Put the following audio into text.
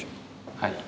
はい。